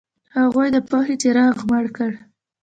هغوی د پوهې څراغ مړ کړ.